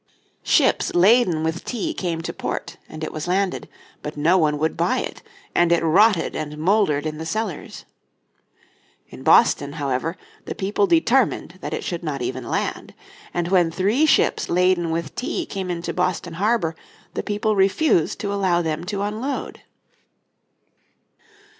Ships laden with tea came to port, and it was landed. But no one would buy it, and it rotted and mouldered in the cellars. In Boston, however, the people determined that it should not even land. And when three ships laden with tea came into Boston harbour, the people refused to allow them to unload.